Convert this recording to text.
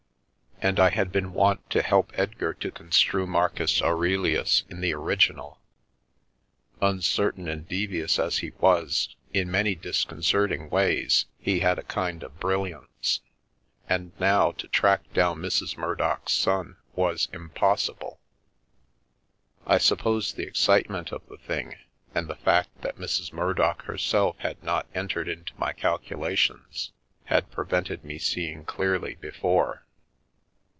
And I had been wont to help Edgar to con strue Marcus Aurelius in the original; uncertain and devious as he was, in many disconcerting ways, he had a kind of brilliance. And now to track down Mrs. Mur dock's son was impossible. I suppose the excitement of the thing, and the fact that Mrs. Murdock herself had not entered into my calculations, had prevented me seeing clearly before.